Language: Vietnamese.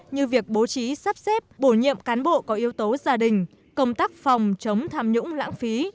như việc bố trí sắp xếp bổ nhiệm cán bộ có yếu tố gia đình công tác phòng chống tham nhũng lãng phí